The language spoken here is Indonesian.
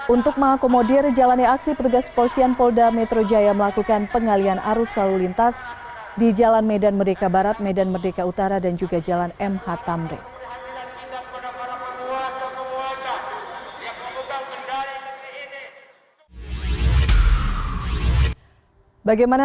untuk mengakomodir jalannya aksi petugas polisian polda metro jaya melakukan pengalian arus lalu lintas di jalan medan merdeka barat medan merdeka utara dan juga jalan mh tamrin